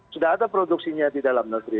sudah ada produksinya di dalam negeri